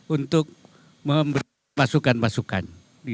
untuk memberi masukan masukan